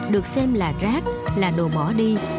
được xem là rác là đồ bỏ đi